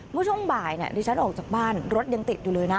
เมื่อช่วงบ่ายดิฉันออกจากบ้านรถยังติดอยู่เลยนะ